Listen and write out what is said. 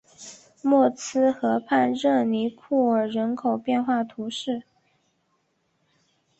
默兹河畔热尼库尔人口变化图示